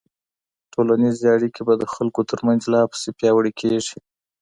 ټولنيزې اړيکې به د خلګو ترمنځ لا پسې پياوړي کيږي.